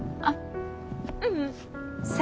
あっ。